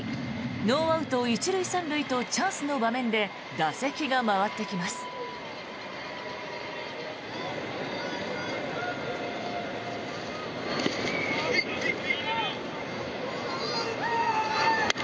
ノーアウト１塁３塁とチャンスの場面で打席が回ってきます。